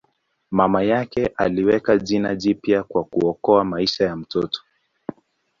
Mama yake aliweka jina jipya kwa kuokoa maisha ya mtoto.